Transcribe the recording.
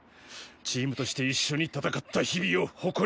チームとして一緒に戦った日々を誇りに思え。